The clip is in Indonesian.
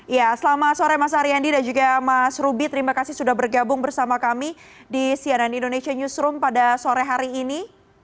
ya selamat sore mas aryandi dan juga mas ruby terima kasih sudah bergabung bersama kami di cnn indonesia newsroom pada sore hari ini